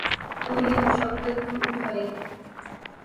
تو یہ مشقت کیوں اٹھائی؟